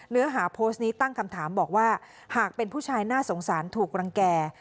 เนื้อหาโพสต์นี้ตั้งคำถามบอกว่าหากเป็นผู้ชายน่าสงสารถูกรังแก่